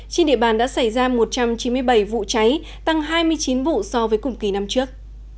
trên địa bàn đã xảy ra một trăm chín mươi bảy vụ cháy tăng hai mươi chín vụ so với cùng kỳ năm trước